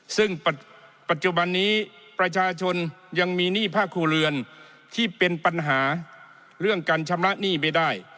ซึ่งปัจจุบันนี้ประชาชนยังมีหนี้ภาคครัวเรือนที่เป็นปัญหาเรื่องการชำระหนี้ไม่ได้